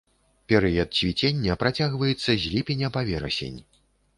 Перыяд цвіцення працягваецца з ліпеня па верасень.